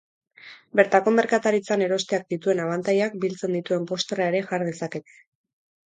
Bertako merkataritzan erosteak dituen abantailak biltzen dituen posterra ere jar dezakete.